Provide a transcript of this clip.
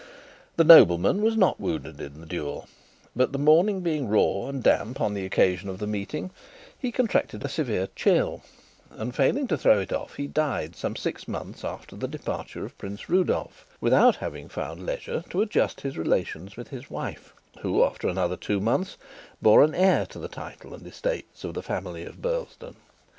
The nobleman was not wounded in the duel; but the morning being raw and damp on the occasion of the meeting, he contracted a severe chill, and, failing to throw it off, he died some six months after the departure of Prince Rudolf, without having found leisure to adjust his relations with his wife who, after another two months, bore an heir to the title and estates of the family of Burlesdon.